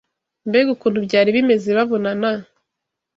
Mbega ukuntu byari bimeze babonana